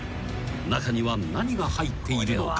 ［中には何が入っているのか？］